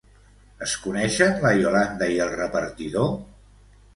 Es coneixen la Iolanda i el repartidor?